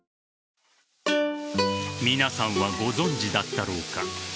皆さんはご存じだったろうか。